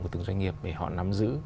của từng doanh nghiệp để họ nắm giữ